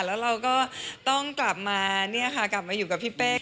แล้วเราก็ต้องกลับมาอยู่กับพี่เป้